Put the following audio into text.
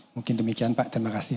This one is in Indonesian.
mungkin demikian pak terima kasih